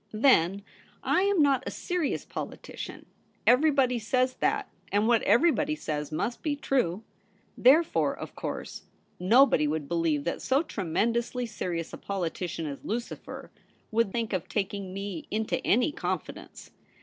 Then I am not a serious politician ; everybody says that, and what everybody says must be true. Therefore, of course, nobody would believe that so tremend ously serious a politician as Lucifer would think of taking me into any confidence.